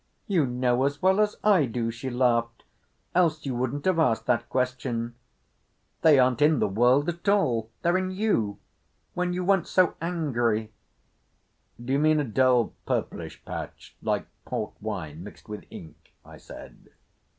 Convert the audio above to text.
"You know as well as I do," she laughed, "else you wouldn't have asked that question. They aren't in the world at all. They're in you—when you went so angry." "D'you mean a dull purplish patch, like port wine mixed with ink?" I said.